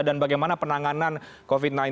dan bagaimana penanganan covid sembilan belas